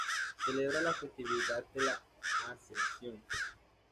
Celebra la festividad de la Ascensión.